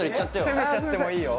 攻めちゃっていいよ